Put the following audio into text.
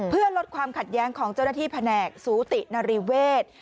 เพื่อลดความขัดแย้งของเจ้าหน้าที่แผนกสูตินรีเวศ